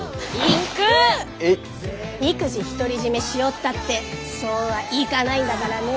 育児独り占めしようったってそうはいかないんだからね。